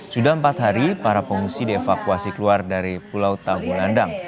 sudah empat hari para pengungsi dievakuasi keluar dari pulau tabulandang